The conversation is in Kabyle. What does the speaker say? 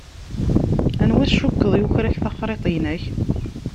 Anwa i tcukkeḍ yuker-ak taxṛiṭ-inek.